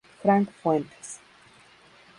Frank Fuentes.